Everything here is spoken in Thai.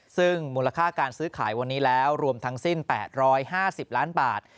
ซึ่งมูลค่าการซื้อขายวันนี้แล้วรวมทั้งสิ้น๘๕๐ล้านบาท